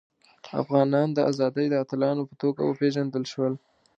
افغانان د ازادۍ د اتلانو په توګه وپيژندل شول.